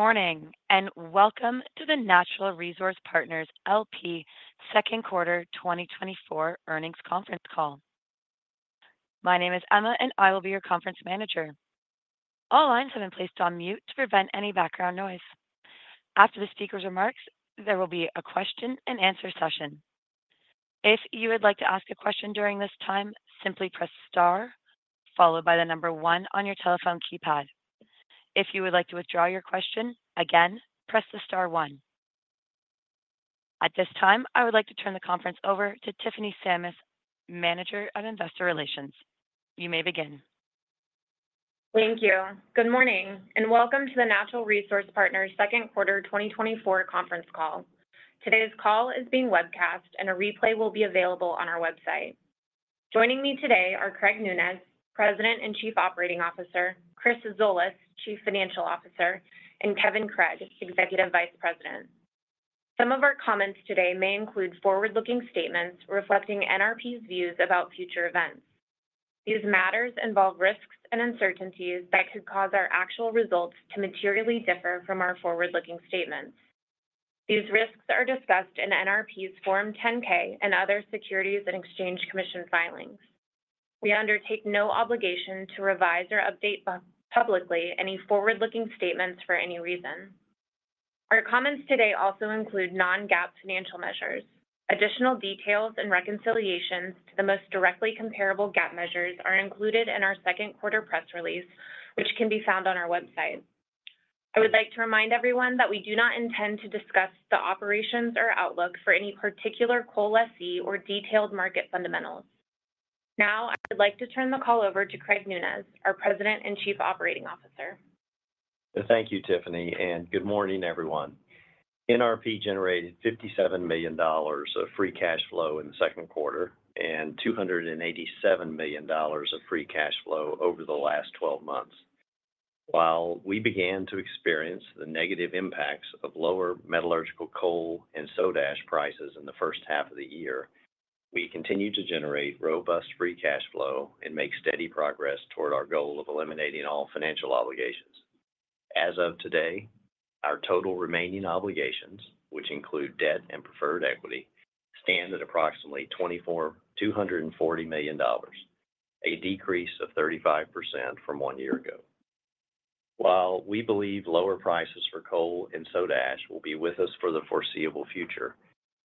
Good morning, and welcome to the Natural Resource Partners L.P. second quarter 2024 earnings conference call. My name is Emma, and I will be your conference manager. All lines have been placed on mute to prevent any background noise. After the speaker's remarks, there will be a question and answer session. If you would like to ask a question during this time, simply press star, followed by the number one on your telephone keypad. If you would like to withdraw your question, again, press the star one. At this time, I would like to turn the conference over to Tiffany Sammis, Manager of Investor Relations. You may begin. Thank you. Good morning, and welcome to the Natural Resource Partners Second Quarter 2024 conference call. Today's call is being webcast, and a replay will be available on our website. Joining me today are Craig Nunez, President and Chief Operating Officer, Chris Zolas, Chief Financial Officer, and Kevin Craig, Executive Vice President. Some of our comments today may include forward-looking statements reflecting NRP's views about future events. These matters involve risks and uncertainties that could cause our actual results to materially differ from our forward-looking statements. These risks are discussed in NRP's Form 10-K and other Securities and Exchange Commission filings. We undertake no obligation to revise or update publicly any forward-looking statements for any reason. Our comments today also include non-GAAP financial measures. Additional details and reconciliations to the most directly comparable GAAP measures are included in our second quarter press release, which can be found on our website. I would like to remind everyone that we do not intend to discuss the operations or outlook for any particular coal lessee or detailed market fundamentals. Now, I would like to turn the call over to Craig Nunez, our President and Chief Operating Officer. Thank you, Tiffany, and good morning, everyone. NRP generated $57 million of free cash flow in the second quarter and $287 million of free cash flow over the last twelve months. While we began to experience the negative impacts of lower metallurgical coal and soda ash prices in the first half of the year, we continue to generate robust free cash flow and make steady progress toward our goal of eliminating all financial obligations. As of today, our total remaining obligations, which include debt and preferred equity, stand at approximately $240 million, a decrease of 35% from one year ago. While we believe lower prices for coal and soda ash will be with us for the foreseeable future,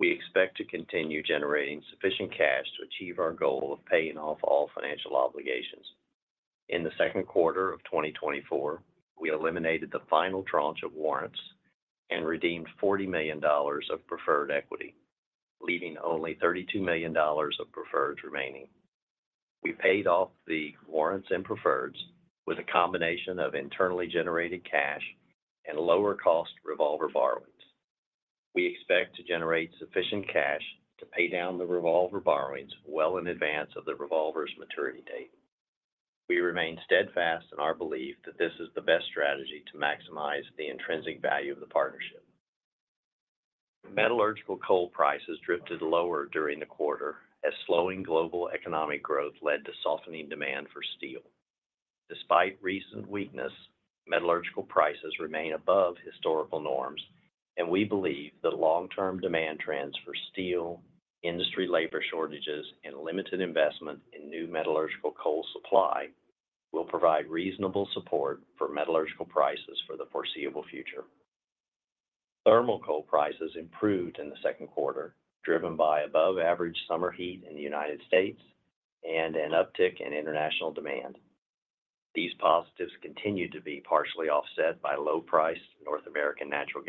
we expect to continue generating sufficient cash to achieve our goal of paying off all financial obligations. In the second quarter of 2024, we eliminated the final tranche of warrants and redeemed $40 million of preferred equity, leaving only $32 million of preferreds remaining. We paid off the warrants and preferreds with a combination of internally generated cash and lower-cost revolver borrowings. We expect to generate sufficient cash to pay down the revolver borrowings well in advance of the revolver's maturity date. We remain steadfast in our belief that this is the best strategy to maximize the intrinsic value of the partnership. Metallurgical coal prices drifted lower during the quarter as slowing global economic growth led to softening demand for steel. Despite recent weakness, metallurgical prices remain above historical norms, and we believe that long-term demand trends for steel, industry labor shortages, and limited investment in new metallurgical coal supply will provide reasonable support for metallurgical prices for the foreseeable future. Thermal coal prices improved in the second quarter, driven by above-average summer heat in the United States and an uptick in international demand. These positives continued to be partially offset by low-priced North American natural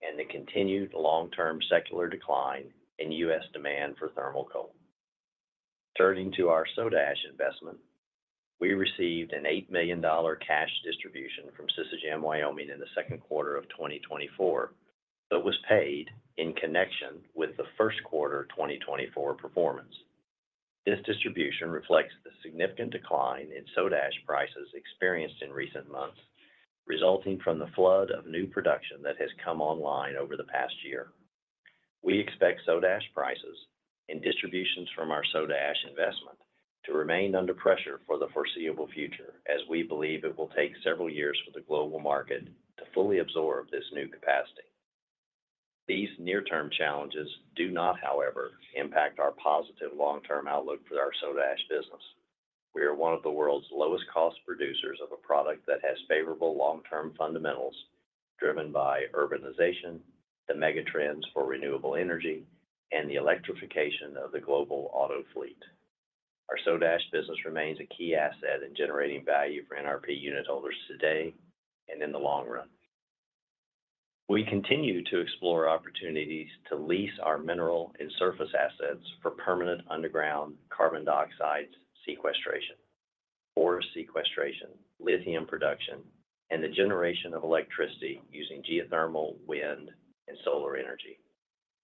gas and the continued long-term secular decline in U.S. demand for thermal coal. Turning to our soda ash investment, we received an $8 million cash distribution from Şişecam Wyoming in the second quarter of 2024, but was paid in connection with the first quarter 2024 performance. This distribution reflects the significant decline in soda ash prices experienced in recent months, resulting from the flood of new production that has come online over the past year. We expect soda ash prices and distributions from our soda ash investment to remain under pressure for the foreseeable future, as we believe it will take several years for the global market to fully absorb this new capacity. These near-term challenges do not, however, impact our positive long-term outlook for our soda ash business. We are one of the world's lowest-cost producers of a product that has favorable long-term fundamentals, driven by urbanization, the mega trends for renewable energy, and the electrification of the global auto fleet. Our soda ash business remains a key asset in generating value for NRP unit holders today and in the long run. We continue to explore opportunities to lease our mineral and surface assets for permanent underground carbon dioxide sequestration or sequestration, lithium production, and the generation of electricity using geothermal, wind, and solar energy,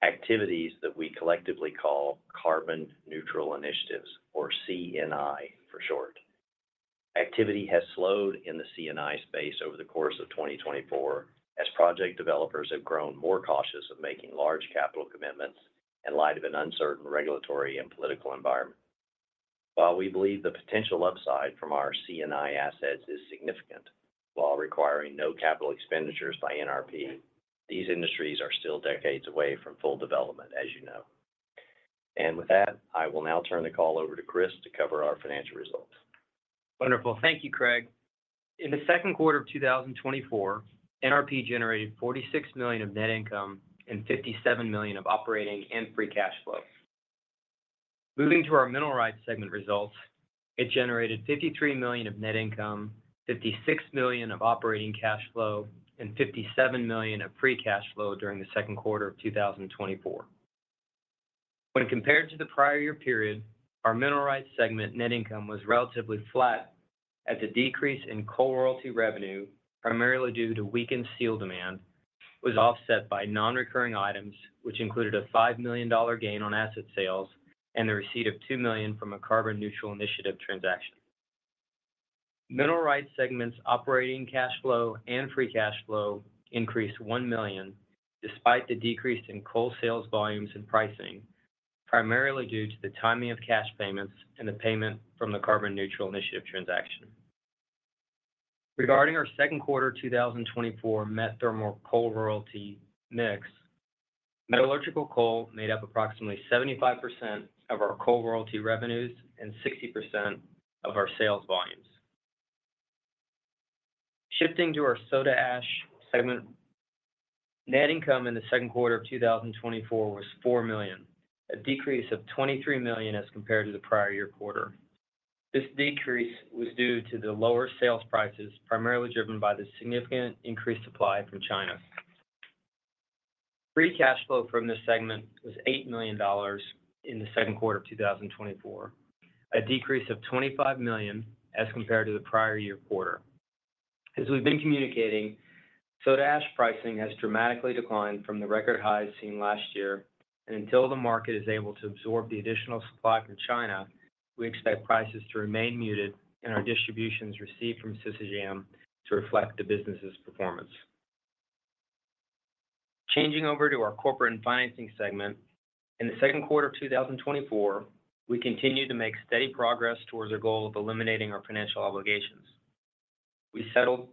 activities that we collectively call Carbon Neutral Initiatives, or CNI for short. Activity has slowed in the CNI space over the course of 2024, as project developers have grown more cautious of making large capital commitments in light of an uncertain regulatory and political environment... While we believe the potential upside from our CNI assets is significant, while requiring no capital expenditures by NRP, these industries are still decades away from full development, as you know. And with that, I will now turn the call over to Chris to cover our financial results. Wonderful. Thank you, Craig. In the second quarter of 2024, NRP generated $46 million of net income and $57 million of operating and free cash flow. Moving to our Mineral Rights segment results, it generated $53 million of net income, $56 million of operating cash flow, and $57 million of free cash flow during the second quarter of 2024. When compared to the prior year period, our Mineral Rights segment net income was relatively flat, as a decrease in coal royalty revenue, primarily due to weakened steel demand, was offset by non-recurring items, which included a $5 million gain on asset sales and the receipt of $2 million from a carbon-neutral initiative transaction. Mineral Rights segment's operating cash flow and free cash flow increased $1 million, despite the decrease in coal sales volumes and pricing, primarily due to the timing of cash payments and the payment from the carbon-neutral initiative transaction. Regarding our second quarter 2024 metallurgical thermal coal royalty mix, metallurgical coal made up approximately 75% of our coal royalty revenues and 60% of our sales volumes. Shifting to our Soda Ash segment, net income in the second quarter of 2024 was $4 million, a decrease of $23 million as compared to the prior year quarter. This decrease was due to the lower sales prices, primarily driven by the significant increased supply from China. Free cash flow from this segment was $8 million in the second quarter of 2024, a decrease of $25 million as compared to the prior year quarter. As we've been communicating, soda ash pricing has dramatically declined from the record highs seen last year, and until the market is able to absorb the additional supply from China, we expect prices to remain muted and our distributions received from Şişecam to reflect the business's performance. Changing over to our Corporate and Financing segment. In the second quarter of 2024, we continued to make steady progress towards our goal of eliminating our financial obligations. We settled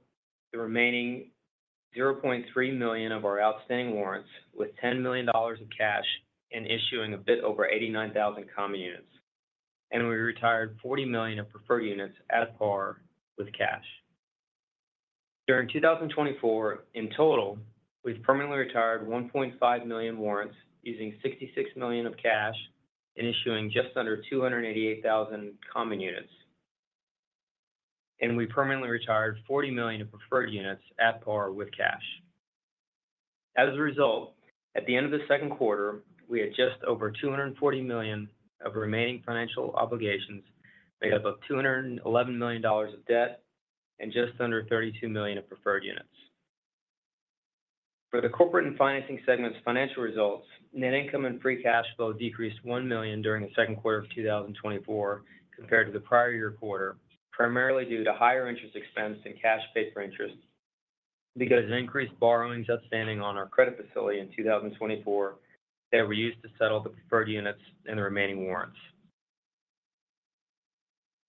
the remaining $0.3 million of our outstanding warrants with $10 million of cash and issuing a bit over 89,000 common units, and we retired $40 million of preferred units at par with cash. During 2024, in total, we've permanently retired 1.5 million warrants, using $66 million of cash and issuing just under 288,000 common units. We permanently retired 40 million of preferred units at par with cash. As a result, at the end of the second quarter, we had just over $240 million of remaining financial obligations, made up of $211 million of debt and just under 32 million of preferred units. For the Corporate and Financing segment's financial results, net income and free cash flow decreased $1 million during the second quarter of 2024 compared to the prior year quarter, primarily due to higher interest expense and cash paid for interest, because increased borrowings outstanding on our credit facility in 2024 that were used to settle the preferred units and the remaining warrants.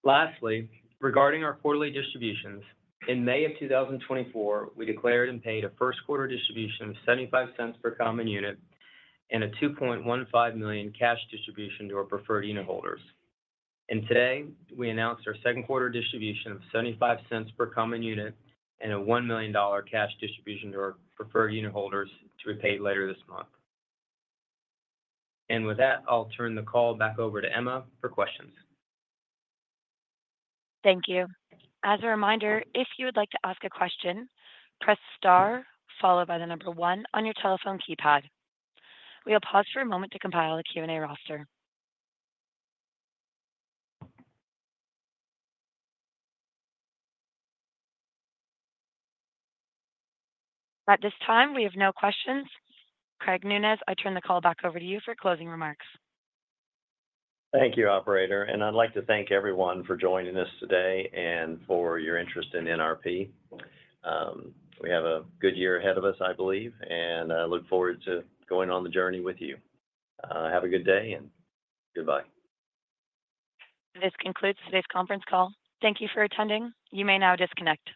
Lastly, regarding our quarterly distributions, in May 2024, we declared and paid a first quarter distribution of $0.75 per common unit and a $2.15 million cash distribution to our preferred unit holders. Today, we announced our second quarter distribution of $0.75 per common unit and a $1 million cash distribution to our preferred unit holders to be paid later this month. With that, I'll turn the call back over to Emma for questions. Thank you. As a reminder, if you would like to ask a question, press star followed by the number one on your telephone keypad. We will pause for a moment to compile a Q&A roster. At this time, we have no questions. Craig Nunez, I turn the call back over to you for closing remarks. Thank you, operator, and I'd like to thank everyone for joining us today and for your interest in NRP. We have a good year ahead of us, I believe, and I look forward to going on the journey with you. Have a good day, and goodbye. This concludes today's conference call. Thank you for attending. You may now disconnect.